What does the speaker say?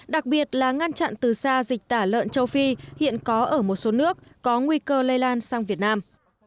đặc biệt là ngăn chặn từ xa dịch tả lợn châu phi hiện có ở một số nước có nguy cơ lây lan sang việt nam